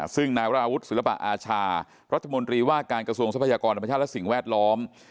ซึ่งนายวราวุฒิศิลปะอาชารัฐมนตรีว่าการกระทรวงทรัพยากรธรรมชาติและสิ่งแวดล้อม